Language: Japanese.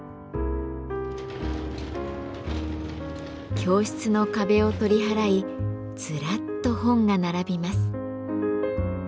教室の壁を取り払いずらっと本が並びます。